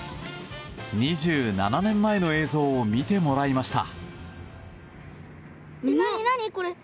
２７年前の映像を見てもらいました。